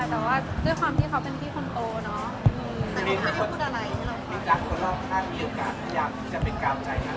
แต่ว่าด้วยความที่เขาเป็นพี่คนโอร์เนอะ